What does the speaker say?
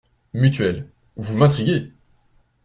Mutuelle. Vous m’intriguez!